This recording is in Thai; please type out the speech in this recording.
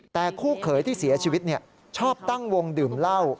แต่คู่เขยที่เสียชีวิตชอบตั้งวงดื่มเหล้า